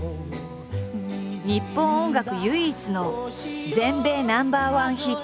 日本音楽唯一の全米ナンバーワンヒット。